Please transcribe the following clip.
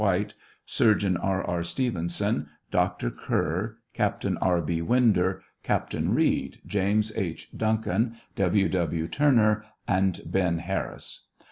White, Surgeon R. R. Stevenson, Dr. Kerr, Captain R. B. Winder, Captain Reed, James H. Duncan, W. W. Turner, and Ben. Harris.